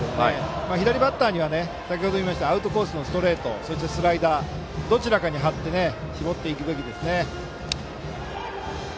左バッターはアウトコースのストレートそしてスライダーどちらかに張って絞っていくべきですよね。